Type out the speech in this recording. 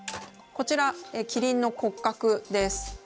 こちらキリンの骨格です。